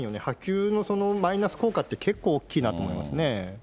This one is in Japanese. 波及のマイナス効果って結構大きいなと思いますね。